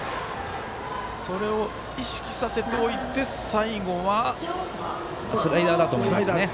それを意識させておいて最後はスライダーです。